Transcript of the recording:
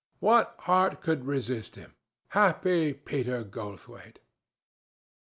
What heart could resist him? Happy Peter Goldthwaite!